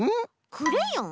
クレヨン？